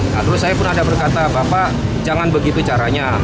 nah terus saya pun ada berkata bapak jangan begitu caranya